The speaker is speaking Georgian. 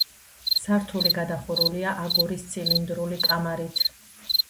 სართული გადახურულია აგურის ცილინდრული კამარით.